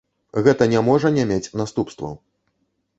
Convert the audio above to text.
Гэта не можа не мець наступстваў.